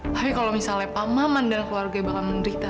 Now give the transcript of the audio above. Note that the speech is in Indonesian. tapi kalau misalnya pamaman dan keluarga itu bakalan menderita